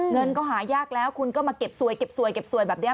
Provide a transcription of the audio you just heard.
เงินก็หายากแล้วคุณก็มาเก็บสวยเก็บสวยเก็บสวยแบบนี้